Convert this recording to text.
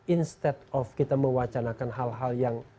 instead of kita mewacanakan hal hal yang